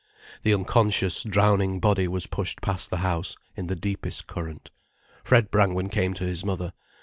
The unconscious, drowning body was pushed past the house in the deepest current. Fred Brangwen came to his mother.